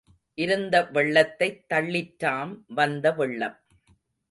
இருந்த வெள்ளத்தைத் தள்ளிற்றாம் வந்த வெள்ளம்.